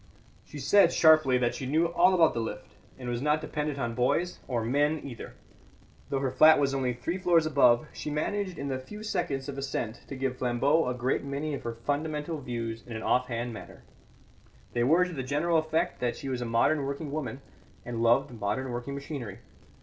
She said sharply that she knew all about the lift, and was not dependent on boys or men either. Though her flat was only three floors above, she managed in the few seconds of ascent to give Flambeau a great many of her fundamental views in an off hand manner; they were to the general effect that she was a modern working woman and loved modern working machinery.